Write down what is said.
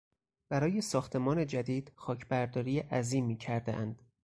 برای ساختمان جدید خاکبرداری عظیمی کردهاند.